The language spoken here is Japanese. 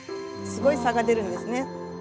すごい差が出るんですね。